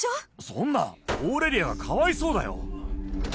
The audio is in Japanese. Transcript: そんなオーレリアがかわいそうだよ